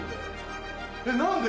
えっ何で？